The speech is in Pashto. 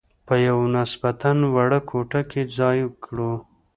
په یوه نسبتاً وړه کوټه کې ځای کړو.